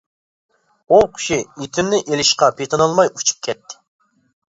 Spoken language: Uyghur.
ئوۋ قۇشى ئىتىمنى ئېلىشقا پېتىنالماي ئۇچۇپ كەتتى.